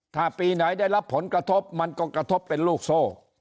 ถ้าปีไหนได้รับผลกระทบมันก็กระทบเป็นลูกโซ่